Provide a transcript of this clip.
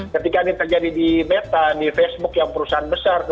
ketika ini terjadi di meta di facebook yang perusahaan besar